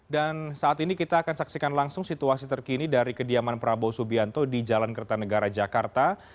dan saat ini kita akan saksikan langsung situasi terkini dari kediaman prabowo subianto di jalan kertanegara jakarta